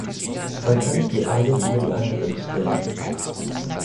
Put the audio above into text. Man kann nicht die einen über die anderen stellen.